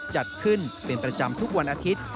จัดขึ้นเป็นประจำทุกวันอาทิตย์